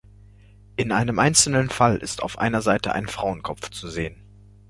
In einem einzelnen Fall ist auf einer Seite ein Frauenkopf zu sehen.